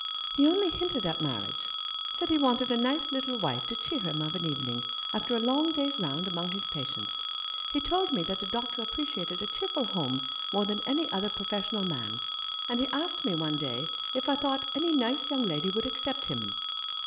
He only hinted at marriage — said he wanted a nice little wife to cheer him of an evening, after a long day's round among his patients. He told me that a doctor appreciated a cheerful home more than any other professional man, and he asked me one day if I thought any nice young lady would accept him.